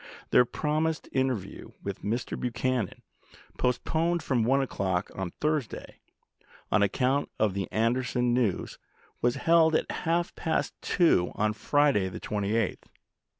Their promised interview with Mr. Buchanan, postponed from 1 o'clock on Thursday, on account of the Anderson news, was held at half past two on Friday the 28th.